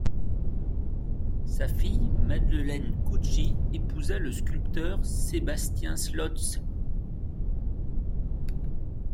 Sa fille Madeleine Cucci épousa le sculpteur Sébastien Slodtz.